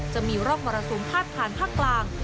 จะมีรอบราศูนย์พาดผ่านภาคกลาง